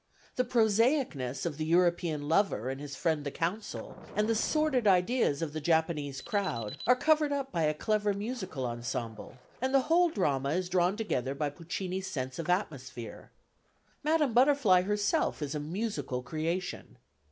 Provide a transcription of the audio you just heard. The prosaicness of the European lover and his friend the Consul and the sordid ideas of the Japanese crowd are covered up by a clever musical ensemble, and the whole drama is drawn together by Puccini's sense of atmosphere.... Madame Butterfly herself is a musical creation.